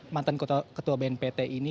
mantan ketua bnpt ini